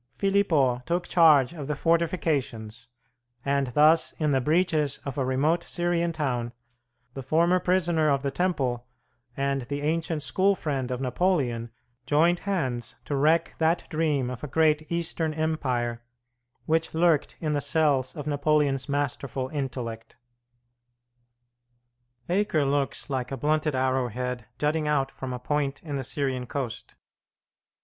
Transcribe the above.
Philippeaux took charge of the fortifications, and thus, in the breaches of a remote Syrian town, the former prisoner of the Temple and the ancient school friend of Napoleon joined hands to wreck that dream of a great Eastern empire which lurked in the cells of Napoleon's masterful intellect. Acre looks like a blunted arrow head jutting out from a point in the Syrian coast.